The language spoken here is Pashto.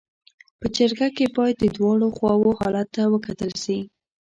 په جرګه کي باید د دواړو خواو حالت ته وکتل سي.